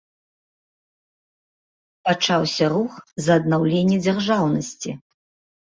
Пачаўся рух за аднаўленне дзяржаўнасці.